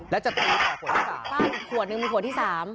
แล้วจะตีฝ่าขวดที่สาม